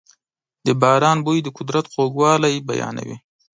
د باران بوی د قدرت خوږوالی بیانوي.